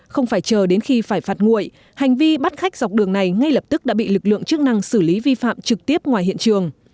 không phải chờ đến khi phải phạt nguội hành vi bắt khách dọc đường này ngay lập tức đã bị lực lượng chức năng xử lý vi phạm trực tiếp ngoài hiện trường